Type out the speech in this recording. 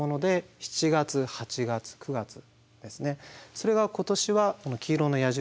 それが今年は黄色の矢印。